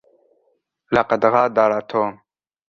لقد غادر توم.